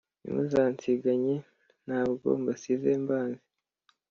Ntimuzansiganye Ntabwo mbasize mbanze